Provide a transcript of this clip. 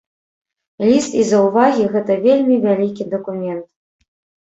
Ліст і заўвагі, гэта вельмі вялікі дакумент.